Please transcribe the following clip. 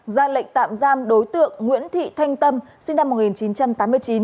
ra lệnh tạm giam đối tượng nguyễn thị thanh tâm sinh năm một nghìn chín trăm tám mươi chín